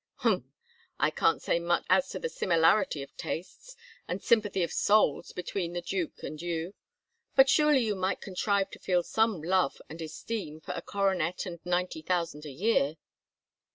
"Humph! I can't say much as to the similarity of tastes and sympathy of souls between the Duke and you, but surely you might contrive to feel some love and esteem for a coronet and ninety thousand a year."